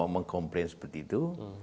mengkomplain seperti itu